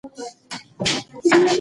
د مینې او ورورولۍ ژبه ده.